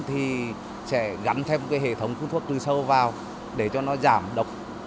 thì sẽ gắn thêm cái hệ thống phun thuốc trừ sâu vào để cho nó giảm độc